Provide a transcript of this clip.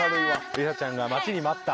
りさちゃんが待ちに待った。